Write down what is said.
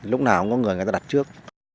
lúc nào cũng có người người ta đặt trước